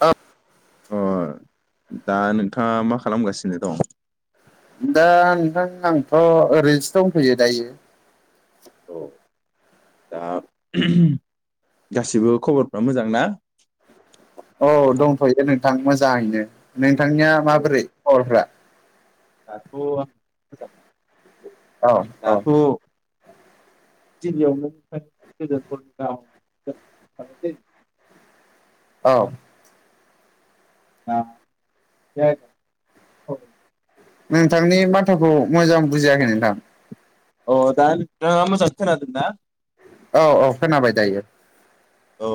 अ अ दा नोंथाङा मा खालामगासिनो दं दा नोंथां आंथ' ओरैनोसो दंथयो दायो औ दा गासिबो खबरफ्रा मोजां ना औ दंथ'यो नोंथां मोजाङैनो नोंथांनिया अ माबोरै खबरफ्रा दाथ' आं मोजां औ औ दाथ' गिबियावनो गोदेरफोरनि [unintelligible] औ औ [inaudible] दे नोंथांनि माथोखौ मोजां बुजियाखै नोंथां अ दा नोंथाङा मोजां खोनादोंना औ-औ खोनाबाय दायो अ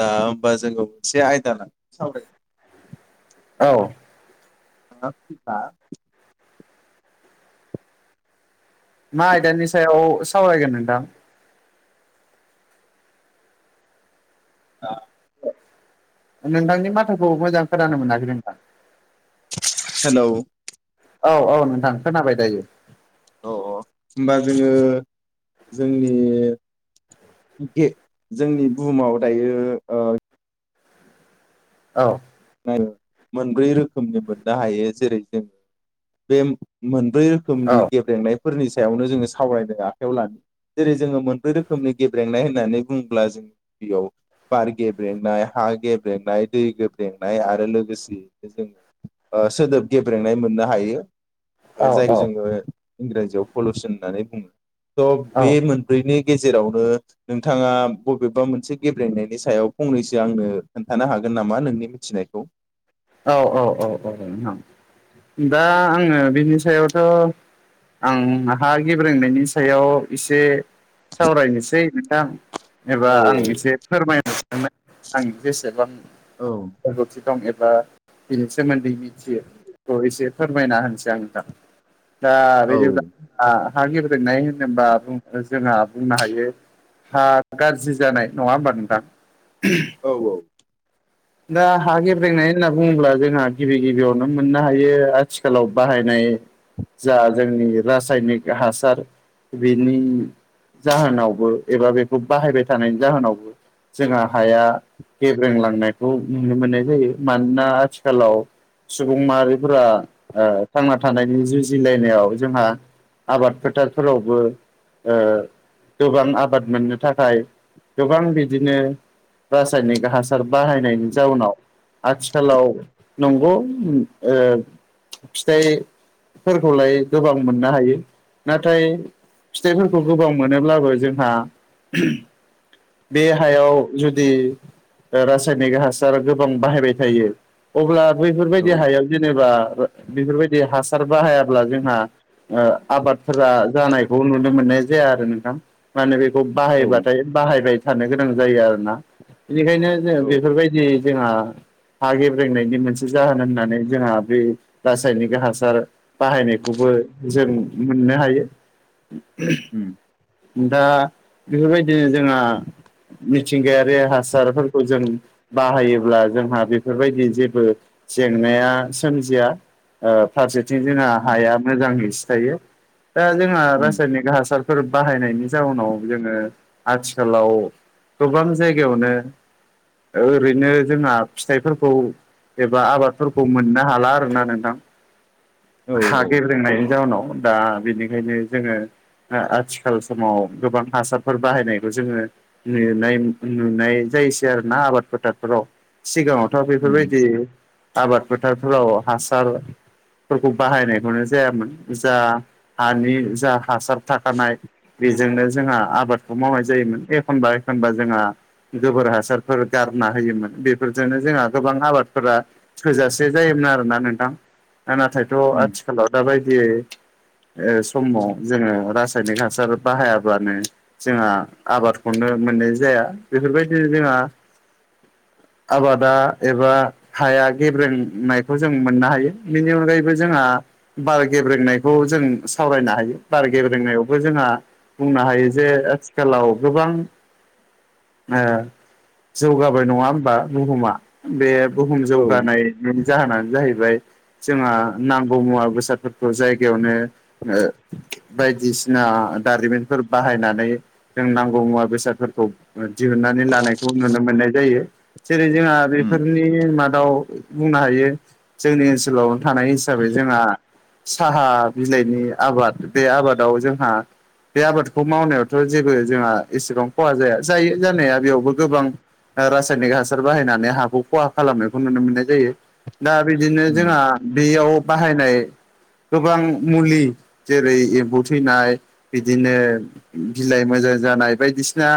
दा होमबा जोङो मोनसे आयदा लाना सावराय औ [unintelligible] मा आयदानि सायाव सावरायगोन नोंथां दा नोंथांनि माथाखौ मोजां खोनानो मोनाखै नोंथां हेलौ औ औ नोंथां खोनाबाय दायो औ औ होमबा जोङो जोंनि ए जोंनि बुहुमाव दायो ओ औ ओम मोनब्रै रोखोमनि मोननो हायो जेरै जों बे मोनब्रै औ रोखोमनि गेब्रेंनायफोरनि सायावनो जोङो सावरायनो आखायाव लादों जेरै जोङो मोनब्रै रोखोमनि गेब्रेंनाय होननानै बुङोब्ला जों गियाव बार गेब्रेंनाय हा गेब्रेंनाय दै गेब्रें गेब्रेंनाय आरो लोगोसेनो जों सोदोब गेब्रेंनाय मोननो हायो औ जायखौ जोङो इंराजियाव पलुसन होननानै बुङो थ' बे मोन ब्रैनि गेजेरावनो नोंथांआ बबेबा मोनसे गेब्रेंनायनि सायाव फंनैसो आंनो खोन्थानो हागोन नामा नोंनि मिथिनायखौ औ औ औ औ नोंथां दा आङो बिनि सायावथ' आं हा गेब्रेंनायनि सायाव एसे सावरायनोसै नोंथां एबा औ आं औ एसे फोरमायनो सनाय आं जेसेबां औ रोंगौथि दं एबा बिनि सोमोन्दै मिथियो बेखौ एसे फोरमायना होनोसै आं नोंथां दा औ बिदिबा हा गेब्रेंनाय होनोबा जोंहा बुंनो हायो हा गाज्रि जानाय नङा होमबा नोंथां औ औ दा हा गेब्रेंनाय होनना बुङोब्ला जोंहा गिबि गिबिआवनो मोननो हायो आथिखालाव बाहायनाय जा जोंनि रासायनिक हासार बिनि जाहोनावबो एबा बेखौ बाहायबाय थानायनि जाहोनावबो जोंहा हाया गेब्रेंलांनाय खौ नुनो मोननाय जायो मानोना आथिखालाव सुबुं माहारिफ्रा ओ थांना थानायनि जुजिलायनायाव जोंहा आबाद फोथारफोरावबो ओ गोबां आबाद मोननो थाखाय गोबां बिदिनो रासायनिक हासार बाहायनायनि जाउनाव आथिख आथिखालाव नंगौ ओ फिथाइ फोरखौलाय गोबां मोननो हायो नाथाय फिथाइफोरखौ गोबाव मोनोब्लाबो जोंहा ओह बे हायाव जुदि रासाइ रासायनिक हासार गोबां बाहायबाय थायो अब्ला बैफोरबायदि औ हायाव जेनोबा बेफोरबादि हासार बाहायाब्ला जोंहा ओ आबादफोरा जानायखौ नुनो मोननाय जाया आरो नोंथां मा होनो बेखौ औ बाहायबाथाय बाहायबाय थानो गोनां जायो आरोना बेनिखायनो जोङो बेखौ औ बेफोरबायदि जोंहा हा गेब्रेंनायनि मोनसे जाहोन होननानै जोंहा बे रासायनिक हासार बाहायनायखौबो जों मोननो हायो उम दा बेफोरबायदिनो जोंहा मिथिंगाआरि हासारफोरखौ जों बाहायोब्ला जोंहा बेफोरबायदि जेबो जेंनाया सोमजिआ ओ फारसेथिं जोंहा हाया मोजाङै थि थायो दा जोंहा उम रासायनिक हासार फोर बाहायनायनि जाउनाव जोङो आथिखालाव गोबां जायगायावनो ओरैनो जोंहा फिथाइफोरखौ एबा आबादफोरखौ मोननो हाला आर ना नोंथां औ हा गेब्रेंनायनि जाउोनाव दा बिनिखायनो जोङो आथिखाल समाव गोबां हासारफोर बाहायनायखौ जोङो नुनाय नुनाय जायसै आरो ना आबाद फोथारफोराव सिगाङावथ' उम बेफोरबायदि आबाद फोथारफोराव हासार फोरखौ बाहायनायखौनो जायामोन जा हानि जा हासार थाखानाय बे जोंनो जोंहा आबादखौ मावनाय जायोमोन एखनबा एखनबा जोंहा गोबोर हासारफोर गारना होयोमोन बेफोरजोंनो जोंहा गोबां आबादफोरा थोजासे जायोमोन आरोना नोंथां नाथायथ' उम आथिखालाव दााबायदियै समाव जोङो रासायनिक हासार बाहायाब्लानो जोंहा आबादखौनो मोननाय जाया बेफोरबायदि जोंहा [inaudible] आबादा एबा हाया गेब्रेंनायखौ जों मोननो हायो बेनि अनगायैबो जोंहा बार गेब्रेंनायखौ जों सावरायनो हायो बार गेब्रेंनायावबो जोंहा बुंनो हायो जे आथिखालाव गोबां जौगाबाय नङा होमबा बुहुमा बे बुहुम औ जौगानायनि जाहोनानो जाहैबाय जोंहा नांगौ मुवा बेसादफोरखौ जायगायावनो बायदिसिना दारिमिनफोर बाहायनानै जों नांगौ मुवा बेसादफोरखौ दिहुननानै लानायखौ नुनो मोननाय जायो जेरै जोंहा उम बेफोरनि मादाव बुंनो हायो जोंनि ओनसोलाव थानाय हिसाबै जोंहा साहा बिलाइनि आबाद बे आबादाव जोंहा बे आबादखौ मावनायावथ' जेबो जोंहा एसेबां खहा जाया जायो जानाया बेयावबो गोबां रासायनिक हासार बाहायनानै हाखौ खहा खालामनायखौ नुनो मोननाय जायो दा बिदिनो उम जोंहा बेयाव बाहायनाय गोबां मुलि जेरै एम्बु थैनाय बिदिनो बिलाइ मोजां जानाय बायदिसिना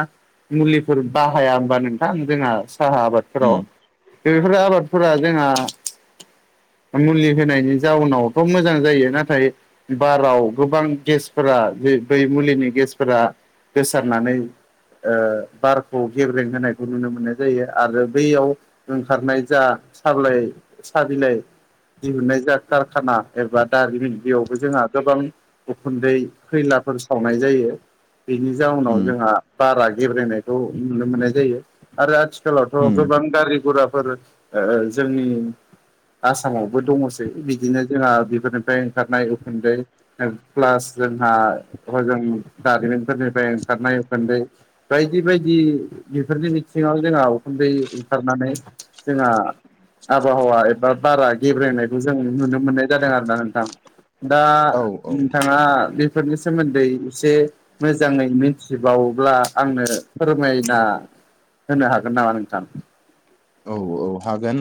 मुलिफोर बाह हाया होनोमबा नोंथां जोंहा साहा आबादफोराव उम द बेफोरो आबादफोरा जोंहा मुलि होनायनि जाउनावथ' मोजां जायो नाथाय बाराव गोबां गेसफोरा दै मुलिनि गेसफोरा गोसारनानै बार खौ गेब्रें होनायखौ नुनो मोननाय जायो आरो बैयाव ओंखारनाय जा साब्लाय सबिलाइ दिहुननाय जा कारखाना एबा दारिमिन बेयावबो जोंहा गोबां उखुन्दै खैलाफोर सावनाय जायो बेनि जाउनाव उम जोंहा बारा गेब्रेनायखौ नुनो मोननाय जायो आरो आथिखालावथ' उम गोबां गारि राफोर जोंनि आसामावबो दङसै बिदिनो जोंहा बेफोरनिफ्राय ओंखारनाय उखुन्दै प्लास जोंहा हजों दारिमिनफोरनिफ्राय ओंखारनाय उखुन्दै बायदि बायदि बेफोरनि बिथिङाव जोंहा उखुन्दै ओखारनानै जोंहा आबहावा एबा बारा गेब्रेनायखौ जों नुनो मोननाय जादों आरो ना नोंथां दा औ औ नोंथाङा बे फोरनि सोमोन्दै एसे मोजाङै मिथिबावोब्ला आंनो फोरमायना होनो हागोन नामा नोंथां औ औ हागोन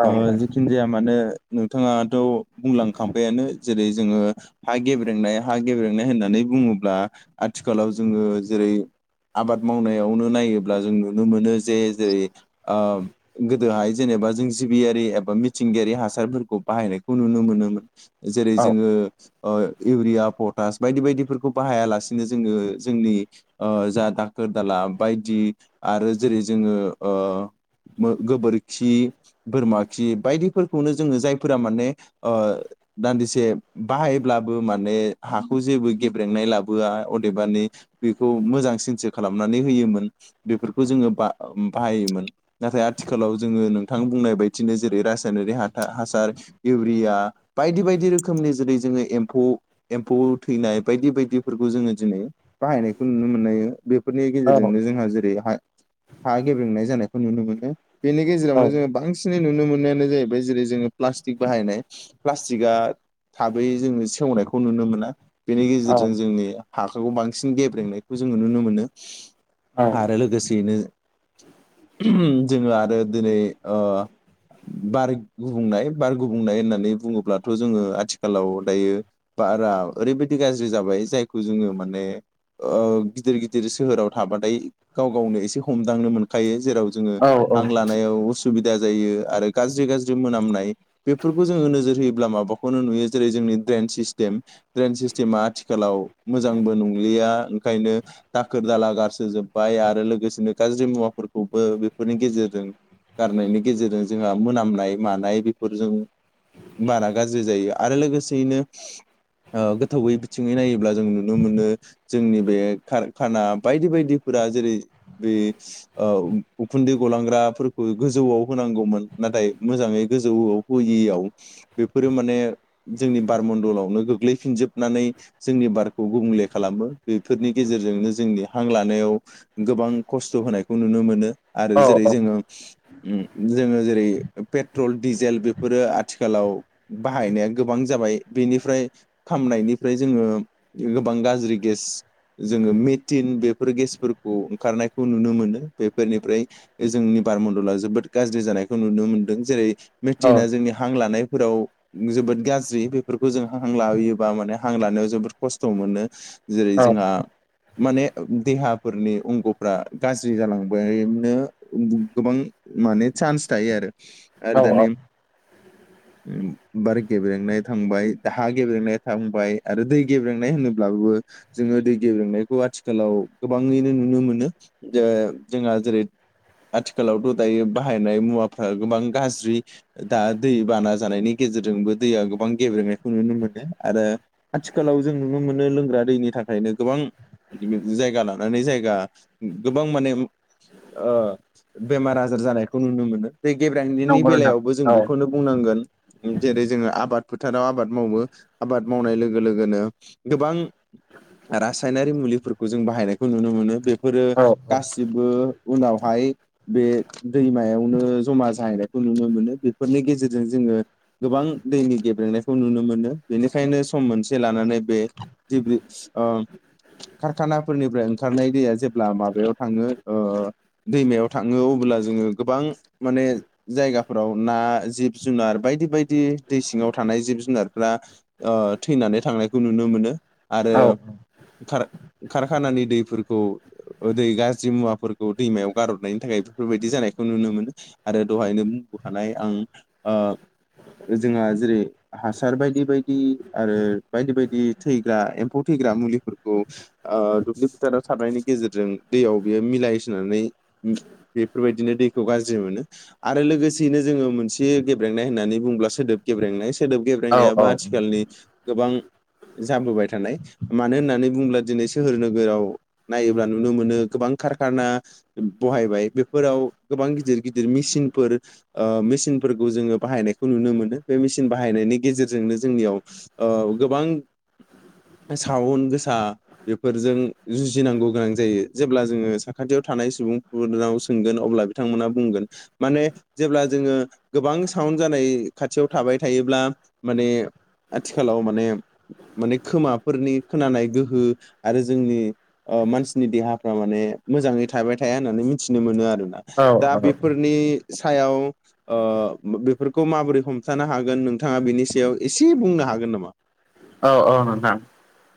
औ जिखि जाया मानो नोंथाङाथ' बुंलांखांफायानो जेरै जोङो हा गेब्रेंनाय हा गेब्रेंनाय होननानै बुङोब्ला आथिखालाव जोङो जेरै आबाद मावनायावनो नायोब्ला जों नुनो मोनो जे जेरै गोदोहाय जेनेबा जों जिबियारि एबा मिथिंगायारि हासारफोरखौ बाहायनायखौ नुनो मोनोमोन जेरै औ जोङो इउरिया पटास बायदि बायदिफोरखौ बाहायालासिनो जोङो जोंनि जा दाखोर दाला बायदि आरो जेरै जोङो गोबोरखि बोरमा खि बायदिफोरखौनो जोङो जायफोरा माने दान्दिसे बाहायब्लाबो माने हाखौ जेबो गेब्रेंनाय लाबोआ अदेबानि बेखौ मोजां सिनसो खालामनानै होयोमोन बेफोरखौ जोङो ब बाहायोमोन नाथाय आथिखालाव जोङो नोंथां बुंनाय बायदिनो जेरै रासायनारि ह हासार इउरिया बायदि बायदि रोखोमनि जेरै जोङो एम्फौ एम्फौ थैनाय बायदि बायदिफोरखौ जोङो दिनै बाहायनायखौ नुनो मोननाय बेफोरनि औ गेजेरजोंनो जोंहा जेरै हा गेब्रेंनाय जानायखौ नुनो मोनो बेनि गेजेरावनो जोङो औ बांसिन बांसिनै नुनो मोन्नायानो जाहैबाय जेरै जोङो प्लास्टिक बाहायनाय प्लास्टिकआ थाबै जोङो सेवनायखौ नुनो मोना बेनि गेजेरजों औ जोंनि हा्राखौ बांसिन गेब्रेंनायखौ जोङो नुनो मोनो औ आरो लोगोसेनो जोङो आरो दिनै ओ बार गुबुंनाय बार गुबुंनाय होननानै बुङोब्लाथ' जोङो आथिखालाव दायो बारा ओरैबायदि गाज्रि जाबाय जायखौ जोङो माने गिदिर गिदिर सोहोराव थाबाथाय गाव गावनो एसे हमदांनो मोनखायो जेराव जोङो औ हां लानायाव उसुबिदा जायो आरो गाज्रि गाज्रि मोनामनाय बेफोरखौ जोङो नोजोर होयोब्ला माबाखौनो नुयो जेरै जोंनि ड्रेन सिस्टेम ड्रेन सिस्टेमा आथिखालाव मोजांबो नंलिया ओंखायनो दाखोर दाला गारसोजोबबाय आरो लोगोसेनो गाज्रि मुवाफोरखौ बेफोरनि गेजेरजों गारनायनि गेजेरजों जोंहा मोनामनाय मानाय बेफोरजों बारा गाज्रि जायो आरो लोगोसेयैनो गोथौङै बिथिङै नायोब्ला जों नुनो मोनो जोंनि बे खारखाना बायदि बायदिफोरा जेरै बे औ उखुन्दै गलांग्राफोरखौ गोजौआव होनांगौमोन नाथाय मोजाङै गोजौआव होयियाव बेफोरो माने जोंनि बारमनडलावनो गोग्लैफिनजोबनानै जोंनि बारखौ गुबुंले खालामो बेफोरनि गेजेरजोंनो जोंनि हां लानायाव गोबां खस्थ' होनायखौ नुनो मोनो आरो जेरै जोङो जोङो जेरै पेट्रल डिजेल बेफोरो आथिखालाव बाहायनाया गोबां जाबाय बेनिफ्राय खामनायनिफ्राय जोङो गोबां गाज्रि गेस जोङो मेटिन बेफोर गेसफोरखौ ओंखारनायखौ नुनो मोनो बे फोरनिफ्राय जोंनि बारमनडलाव जोबोद गाज्रि जानायखौ नुनो मोनदों जेरै औ मेटिना जोंनि हां लानायफोराव जोबोद गाज्रि बेफोरखौ जों हां लायोबा माने हां लानायाव जोबोद खस्थ' मोनो जेरै जोंहा माने देहाफोरनि अंग'फ्रा गाज्रि जालांदों बेदिनो गोबां माने चान्स थायो आरो औ आरो औ दानि [inaudible] बार गेब्रेंनाय थांबाय हा गेब्रेंनाय थांबाय आरो दै गेब्रेंनाय होनोब्लाबो जोङो दै गेब्रेंनायखौ आथिखालाव गोबाङैनो नुनो मोनो जे जोंहा जेरै आथिखालावथ' दायो बाहायनाय मुवाफ्रा गोबां गाज्रि दा दै बाना जानायनि गेजेरजोंबो दैया गोबां गेब्रेंनायखौ नुनो मोनो आरो आथिखालाव जों नुनो मोनो लोंग्रा दैनि थाखायनो गोबां जायगा लानानै जायगा गोबां माने ओ बेमार आजार जानायखौ नुनो मोनो गेब्रेंनायनि नंगौ नोंथां बेलायावबो जों औ बेखौनो बुंनांगोन जेरै जोङो आबाद फोथाराव आबाद मावो आबाद मावनाय लोगो लोगोनो गोबां रासायनारि मुलिफोरखौ जों बाहायनायखौ नुनो मोनो बेफोरो औ गासै जेबो उनावहाय बे दैमायावनो जमा जाहैनायखौ नुनो मोनो बेफोरनि गेजेरजों जोङो गोबां दैनि गेब्लेनायखौ नुनो मोनो बेनिखायनो सम मोनसे लानानै बे कारखानाफोरनिफ्राय ओंखारनाय दैया जेब्ला माबायाव थाङो दैमायाव थाङो अब्ला जोङो गोबां माने जायगाफोराव ना जिब जुनार बायदि बायदि दै सिङाव थानाय जिब जुनारफ्रा थैनानै थांनायखौ नुनो मोनो औ आरो खारखानानि दैफोरखौ दै गा जि मुवाफोरखौ दैमायाव गारबनायनि थाखाय बेफोरबायाददि जानायखौ नुनो मोनो। आरो दहायनो बुंबोखानाय आं ओ जोंहा जेरै हासार बायदि बायदि आरो बायदि बायदि थैग्रा एम्फौ थैग्रा मुलिफोरखौ ओ दुब्लि फोथाराव सारनायनि गेजेरजों दैयाव बेयो मिलायहोनानै बेफोरबायदिनो दैखौ गाज्रि मोनो। आरो लोगोसेयैनो जोङो मोनसे गेब्रेंनाय होननानै बुङोब्ला सोदोब गेब्रेंनाय सोदोब औ गेब्रेंनायाबो आथिखालनि गोबां जाबोबाय थानाय मानो होननानै बुङोब्ला दिनै सोहोर नोगोराव नायोब्ला नुनो मोनो गोबां खारखाना बहायबाय बेफोराव गोबां गिदिर गिदिर मेसििनफोर ओ मेचिनफोरखौ जोङो बाहायनायखौ नुनो मोनो बे मेसििन बाहायनायनि गेजेरजोंनो जोंनियाव गोबां साावन गोसा बेफोरजों जुजिनांगौ गोनां जायो जेब्ला जोङो साखाथियाव थानाय सुबुंफोरनाव सोंगोन अब्ला बिथांमोना बुंगोन माने जेब्ला जोङो गोबां साउन्ड जानाय खाथियाव थाबाय थायोब्ला माने आथिखालाव माने माने खोमाफोरनि खोनानाय गोहो आरो जोंनि मानसिनि देहा थ माने मोजाङै थाबाय थाया होननानै मिथिनो मोनो आरोोना दा औ औ बेफोरनि सायाव बेफोरखौ माबोरै हमथानो हागोन नोंथाङा बिनि सायाव एसे बुंनो हागोन नामा? औ औ नोंथां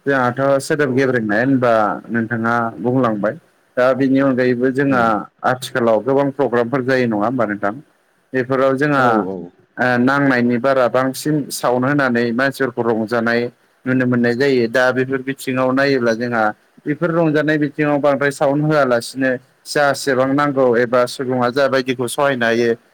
जोंहाथ' सोदोबगिरि औ फोरोंनाय होनबा नोंथाङा बुंलांबाय दा बेनि अनगायैबो जोंहा आथिखालाव गोबां प्रग्रामफोर जायो नङा होमब नोंथां बेफोराव औ जोंहा औ ओ नांनायनि बारा बांसिन साउन्ड होनानै मानसिफोरखौ रं जानाय नुनो मोननाय जायो दा बेफोर बिथिङाव नायोब्ला जोंहा बेफोर रंजानाय बिथिङाव बांद्राय साउन्ड होआलासिनो जासेबां नांगौ एबा सुबुङा जाबायदिखौ सहायनो हायो।